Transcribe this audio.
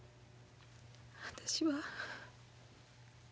私は。